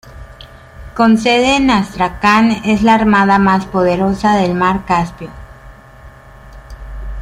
Con sede en Astracán, es la armada más poderosa del Mar Caspio.